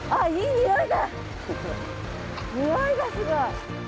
匂いがすごい。